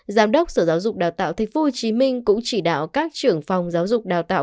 giám đốc sở giáo dục đào tạo tp hcm cũng chỉ đạo các trưởng phòng giáo dục đào tạo